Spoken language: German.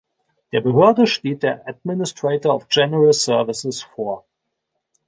Der Behörde steht der Administrator of General Services vor.